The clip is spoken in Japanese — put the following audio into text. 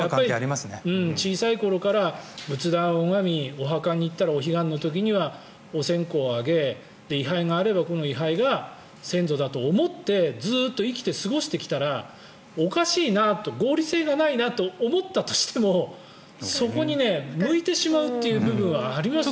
小さい頃から仏壇を拝みお墓に行ったらお彼岸の時にはお線香を上げ位牌があればこの位牌が先祖だと思ってずっと生きて過ごしてきたらおかしいな合理性がないなと思ったとしてもそこに向いてしまうという部分はありますよ。